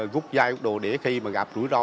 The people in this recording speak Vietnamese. gúc dai đuối đuối để khi gặp rủi ro